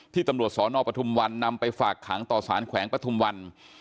ตำรวจสนปทุมวันนำไปฝากขังต่อสารแขวงปฐุมวัน